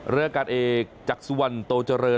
เรือการเอกจักษวนโตเจริญ